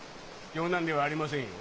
冗談ではありませんよ。